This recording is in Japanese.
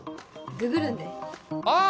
ググるんでああ